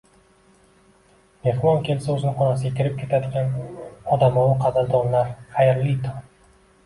Mehmon kelsa o'zini xonasiga kirib ketadigan odamovi qadrdonlar, xayrli tong!